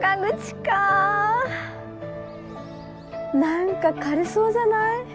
何か軽そうじゃない？